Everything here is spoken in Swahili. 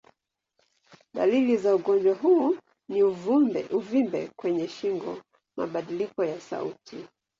Dalili za ugonjwa huu ni uvimbe kwenye shingo, mabadiliko ya sauti.